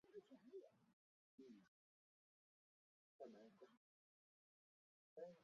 校史馆仅对上级考察团及友好学校来访团及入学新生团体参观开放。